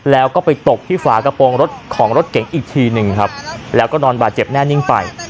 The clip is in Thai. แล้วก็ไปตบที่ฝากระโปรงรถของรถเก๋งอีกทีหนึ่งครับแล้วก็นอนบาดเจ็บแน่นิ่งไป